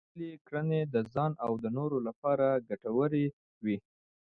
هوښیار کسان خپلې کړنې د ځان او نورو لپاره ګټورې وي.